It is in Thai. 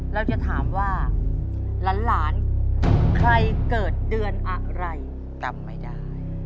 เราจะถามว่าหลานใครเกิดเดือนอะไรจำไม่ได้